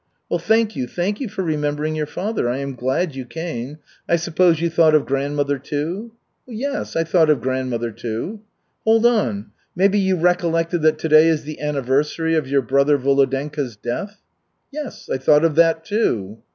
"Well, thank you, thank you for remembering your father. I am glad you came. I suppose you thought of grandmother, too?" "Yes, I thought of grandmother, too." "Hold on! Maybe you recollected that today is the Anniversary of your brother Volodenka's death?" "Yes, I thought of that, too."